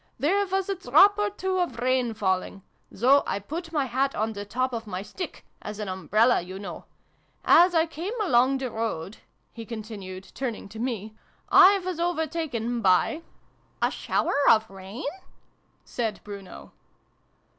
" There was a drop or two of rain falling : so I put my hat on the top of my stick as an umbrella, you know. As I came along the road," he continued, turning to me, " I was overtaken by " 168 SYLVIE AND BRUNO CONCLUDED. a shower of rain ?" said Bruno.